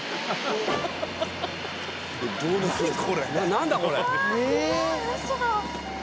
何だこれ。